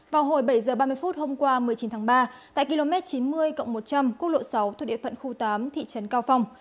vào hồi bảy h ba mươi phút hôm qua một mươi chín tháng ba tại km chín mươi một trăm linh quốc lộ sáu thuộc địa phận khu tám thị trấn cao phong